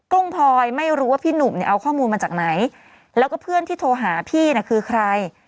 ้งพลอยไม่รู้ว่าพี่หนุ่มเนี่ยเอาข้อมูลมาจากไหนแล้วก็เพื่อนที่โทรหาพี่น่ะคือใคร